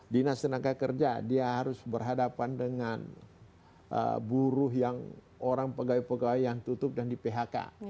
dinas tenaga kerja dia harus berhadapan dengan buruh yang orang pegawai pegawai yang tutup dan di phk